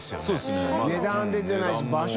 値段出てないし貊蠅